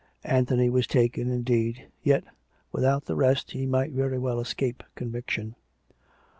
Anthony was taken, indeed, yet, without the rest, he might very well escape conviction.